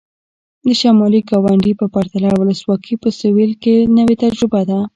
د شمالي ګاونډي په پرتله ولسواکي په سوېل کې نوې تجربه ده.